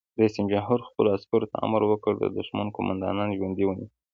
رئیس جمهور خپلو عسکرو ته امر وکړ؛ د دښمن قومندانان ژوندي ونیسئ!